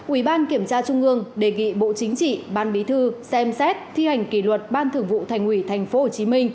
ủy ban kiểm tra trung ương đề nghị bộ chính trị ban bí thư xem xét thi hành kỷ luật ban thường vụ thành ủy tp hcm